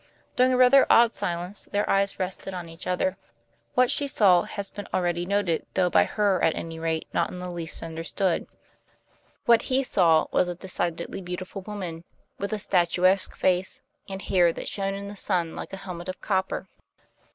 During a rather odd silence their eyes rested on each other. What she saw has been already noted, though by her, at any rate, not in the least understood. What he saw was a decidedly beautiful woman with a statuesque face and hair that shone in the sun like a helmet of copper.